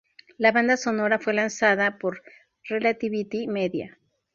La banda sonora fue lanzada por Relativity Media.